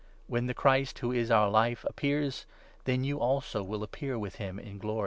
When 4 the Christ, who is our Life, appears, then you also will appear with him in glory.